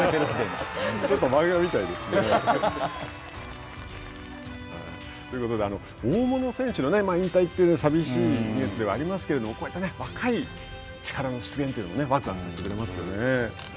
ちょっと漫画みたいですね。ということで大物選手の引退って寂しいニュースではありますがこうやって若い力の出現というのもわくわくしますよね。